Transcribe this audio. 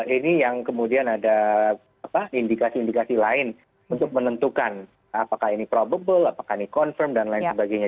ini yang kemudian ada indikasi indikasi lain untuk menentukan apakah ini probable apakah ini confirm dan lain sebagainya